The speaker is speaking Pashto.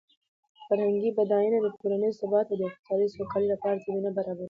فرهنګي بډاینه د ټولنیز ثبات او د اقتصادي سوکالۍ لپاره زمینه برابروي.